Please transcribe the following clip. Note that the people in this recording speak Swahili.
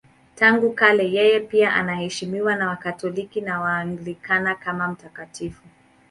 Tangu kale yeye pia anaheshimiwa na Wakatoliki na Waanglikana kama mtakatifu.